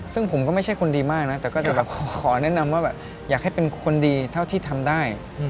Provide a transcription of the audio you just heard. ซึ่งผมก็ไม่ใช่คนดีมากนะแต่ก็จะแบบขอแนะนำว่าแบบอยากให้เป็นคนดีเท่าที่ทำได้